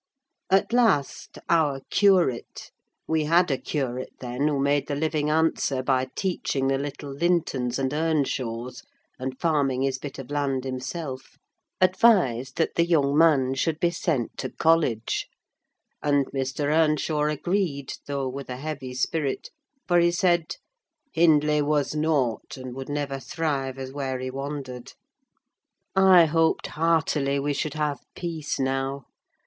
At last, our curate (we had a curate then who made the living answer by teaching the little Lintons and Earnshaws, and farming his bit of land himself) advised that the young man should be sent to college; and Mr. Earnshaw agreed, though with a heavy spirit, for he said—"Hindley was nought, and would never thrive as where he wandered." I hoped heartily we should have peace now.